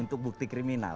untuk bukti kriminal